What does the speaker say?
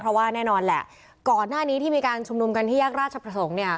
เพราะว่าแน่นอนแหละก่อนหน้านี้ที่มีการชุมนุมกันที่แยกราชประสงค์เนี่ย